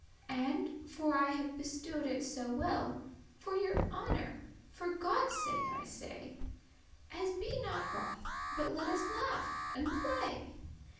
And, for I have bestowed it so well, For your honour, for Godde's sake I say, As be not wroth, but let us laugh and play.